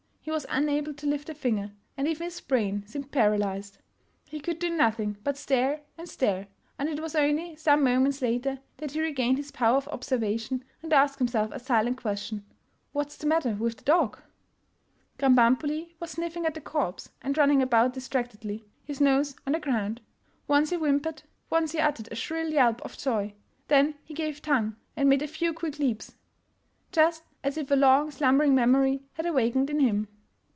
He was unable to lift a finger, and even his brain seemed paralyzed; he could do nothing but stare and stare, and it was only some moments later that he regained his power of observation and asked himself a silent question — " What's the matter with the dog? " Krambambuli was sniffing at the corpse, and running about distractedly, his nose on the ground. Once he whim pered, once he uttered a shrill yelp of joy; then he gave tongue and made a few quick leaps, just as if a long slum bering memory had awaked in him.